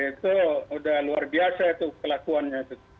itu udah luar biasa tuh kelakuannya itu